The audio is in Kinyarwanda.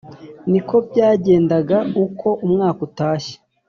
Ni ko byagendaga uko umwaka utashye